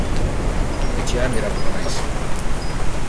Etxean geratuko naiz.